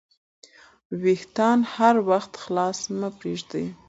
وېښتان هر وخت خلاص مه پریږدئ.